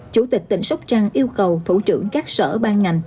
chủ tịch tỉnh sóc trăng yêu cầu thủ trưởng các sở ban ngành